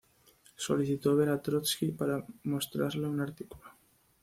Solicitó ver a Trotski para mostrarle un artículo.